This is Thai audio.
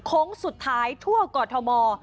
โค้งสุดท้ายทั่วกอทม